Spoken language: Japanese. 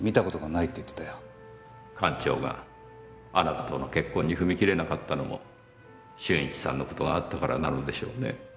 館長があなたとの結婚に踏み切れなかったのも俊一さんの事があったからなのでしょうねぇ。